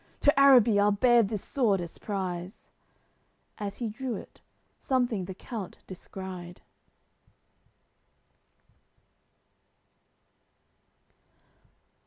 To Araby I'll bear this sword as prize." As he drew it, something the count descried.